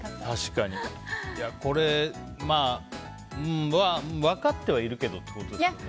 これ、分かってはいるけどってことですよね。